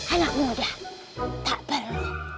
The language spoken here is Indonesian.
anak muda tak perlu